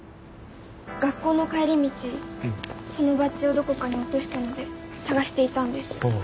学校の帰り道そのバッジをどこかに落としたので捜していたんです。